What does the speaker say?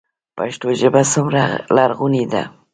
پښتو ژبه څومره لرغونې ده؟